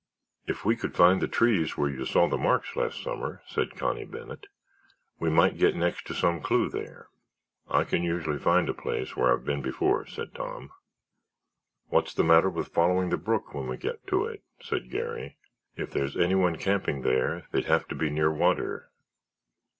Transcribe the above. "If we could find the trees where you saw the marks last summer," said Connie Bennet, "we might get next to some clue there." "I can usually find a place where I've been before," said Tom. "What's the matter with following the brook when we get to it?" said Garry. "If there's anyone camping there they'd have to be near water."